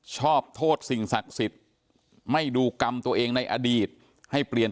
โทษสิ่งศักดิ์สิทธิ์ไม่ดูกรรมตัวเองในอดีตให้เปลี่ยน